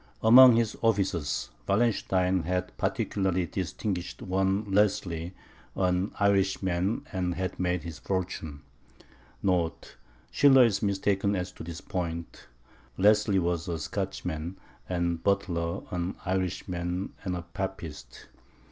Among his officers, Wallenstein had particularly distinguished one Leslie, an Irishman, and had made his fortune. [Schiller is mistaken as to this point. Leslie was a Scotchman, and Buttler an Irishman and a papist.